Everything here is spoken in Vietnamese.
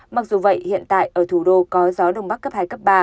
mặc dù vậy hiện tại ở thủ đô có gió đông bắc cấp hai cấp ba